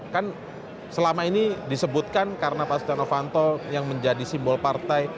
kan selama ini disebutkan karena pak stiano fanto yang menjadi simbol partai